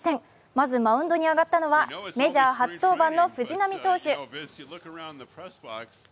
まずマウンドに上がったのはメジャー初登板の藤浪投手。